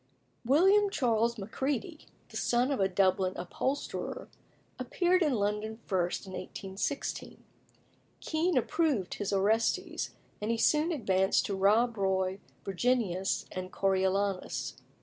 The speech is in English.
William Charles Macready, the son of a Dublin upholsterer, appeared in London first in 1816. Kean approved his Orestes, and he soon advanced to Rob Roy, Virginius, and Coriolanus.